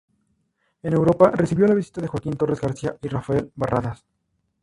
En Europa recibió la visita de Joaquín Torres García y Rafael Barradas.